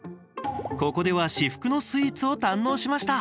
ここでは至福のスイーツを堪能しました。